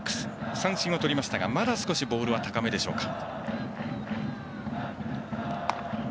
三振をとりましたがまだ少しボールは高めでしょうか。